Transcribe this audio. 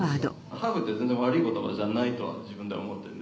ハーフって全然悪い言葉じゃないと自分では思ってるんですよ。